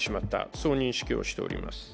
そう認識をしております。